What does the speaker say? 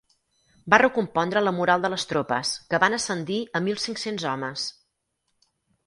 Va recompondre la moral de les tropes, que van ascendir a mil cinc-cents homes.